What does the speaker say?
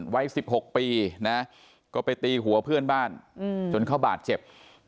วัย๑๖ปีนะก็ไปตีหัวเพื่อนบ้านจนเขาบาดเจ็บ